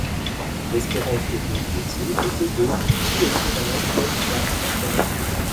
L'espérance de vie utile était de coups équivalant pleines charges par canon.